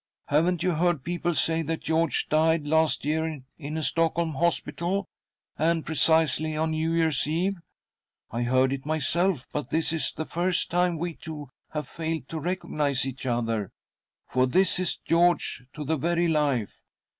"Haven't you heard people say that .George died last year in a Stockholm hospital, and , precisely on New Year's Eve? I heard it myself/ but this is the first time we two have failed to recognise each other— for this is George to the very life.